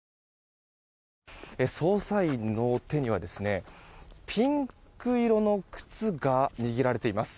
捜査員の手にはピンク色の靴が握られています。